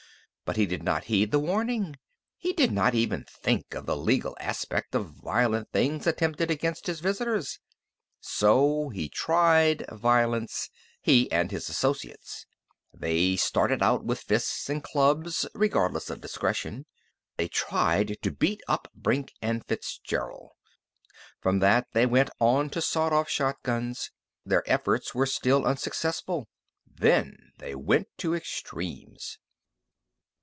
But he did not heed the warning. He did not even think of the legal aspect of violent things attempted against his visitors. So he tried violence he and his associates. They started out with fists and clubs, regardless of discretion. They tried to beat up Brink and Fitzgerald. From that they went on to sawed off shotguns. Their efforts were still unsuccessful. Then they went to extremes.